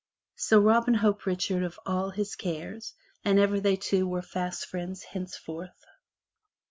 So Robin holp Richard of all his cares and ever they two were fast friends henceforth.